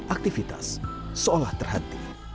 aktivitas seolah terhenti